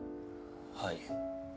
はい。